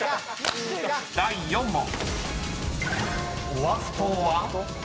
［第４問］